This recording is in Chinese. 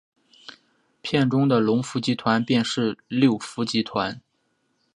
片中的龙福集团便是六福集团。